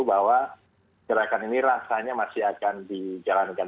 bahwa gerakan ini rasanya masih akan dijalankan